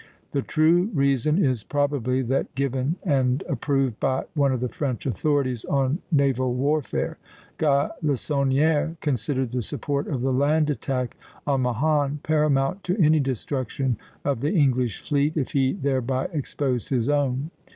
The true reason is probably that given and approved by one of the French authorities on naval warfare. Galissonière considered the support of the land attack on Mahon paramount to any destruction of the English fleet, if he thereby exposed his own.